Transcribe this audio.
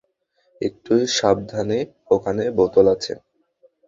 একটু সাবধানে ওখানে বোতল আছে।